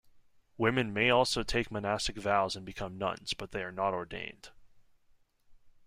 Women may also take monastic vows and become nuns, but they are not ordained.